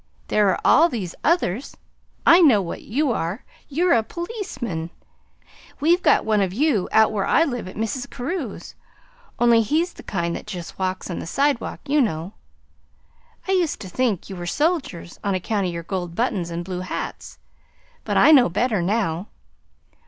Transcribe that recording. There are all these others. I know what you are. You're a policeman. We've got one of you out where I live at Mrs. Carew's, only he's the kind that just walks on the sidewalk, you know. I used to think you were soldiers, on account of your gold buttons and blue hats; but I know better now.